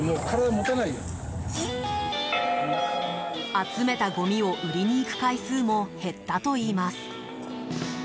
集めたごみを売りに行く回数も減ったといいます。